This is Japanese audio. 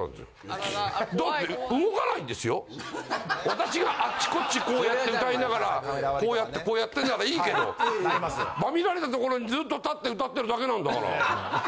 私があっちこっちこうやって歌いながらこうやってこうやってんならいいけど。バミられたところにずっと立って歌ってるだけなんだから。